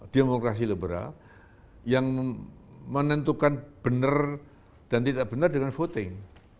demokrasi liberal yang menentukan benar dan tidak benar dengan voting